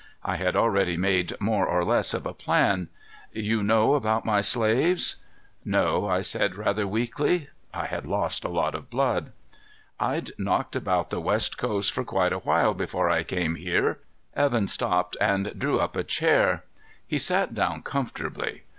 I had already made more or less of a plan. You know about my slaves?" "No," I said rather weakly. I had lost a lot of blood. "I'd knocked about the West Coast for quite a while before I came here." Evan stopped and drew up a chair. He sat down comfortably.